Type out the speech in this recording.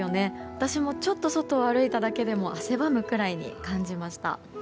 私もちょっと外を歩いただけでも汗ばむくらいに感じました。